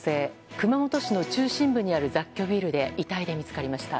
熊本市の中心部にある雑居ビルで遺体で見つかりました。